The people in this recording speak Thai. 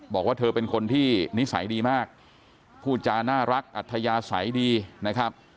บอกว่าเธอเป็นคนที่นิสัยดีมากพูดจาน่ารักอัธยาศัยดีนะครับ